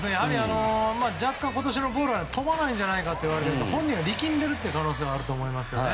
若干、今年のボールは飛ばないんじゃないかと言われているんですが本人が力んでいる可能性があると思いますね。